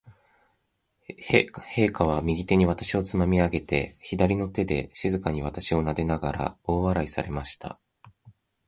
陛下は、右手に私をつまみ上げて、左の手で静かに私をなでながら、大笑いされました。